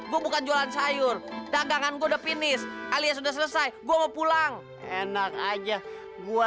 gua bukan jualan sayur dagangan gua udah finish alias udah selesai gua mau pulang enak aja gua